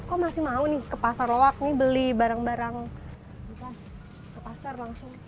kok masih mau nih ke pasar loak nih beli barang barang bekas ke pasar langsung